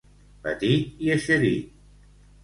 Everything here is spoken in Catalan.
Petit i eixerit.